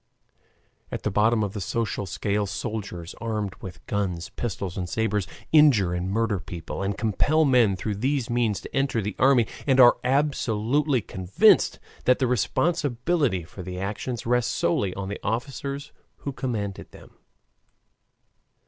At the bottom of the social scale soldiers, armed with guns, pistols, and sabers, injure and murder people, and compel men through these means to enter the army, and are absolutely convinced that the responsibility for the actions rests solely on the officers who command them.